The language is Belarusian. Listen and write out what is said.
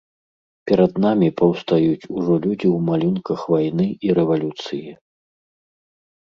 Перад намі паўстаюць ужо людзі ў малюнках вайны і рэвалюцыі.